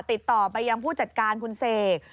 ติดต่อไปยังผู้จัดการคุณเสก